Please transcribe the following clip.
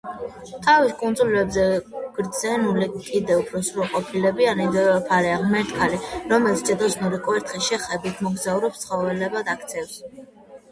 თავის კუნძულზე გრძნეული კირკე სრულუფლებიანი დედოფალია, ღმერთქალი, რომელიც ჯადოსნური კვერთხის შეხებით მოგზაურებს ცხოველებად აქცევს.